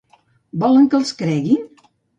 Volen que els creguin?